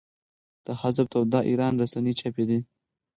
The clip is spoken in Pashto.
د حزب توده ایران رسنۍ چاپېدې.